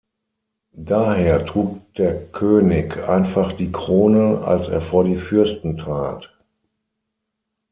Daher trug der König einfach die Krone, als er vor die Fürsten trat.